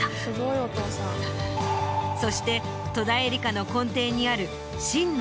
そして戸田恵梨香の根底にある。